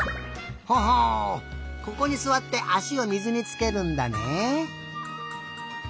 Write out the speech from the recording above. ほほうここにすわってあしを水につけるんだね。